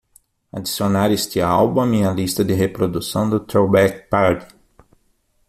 adicionar este álbum à minha lista de reprodução do Throwback Party